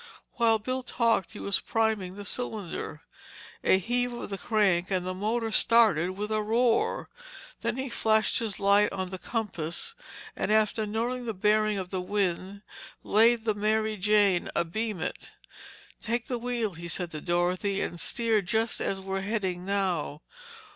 While Bill talked he was priming the cylinder. A heave of the crank and the motor started with a roar. Then he flashed his light on the compass and after noting the bearing of the wind, laid the Mary Jane abeam it. "Take the wheel," he said to Dorothy. "And steer just as we're heading now."